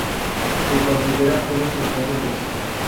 Se considera una sustancia tóxica.